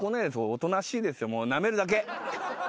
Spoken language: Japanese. おとなしいですよもうなめるだけ。